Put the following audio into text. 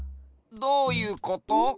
どういうこと？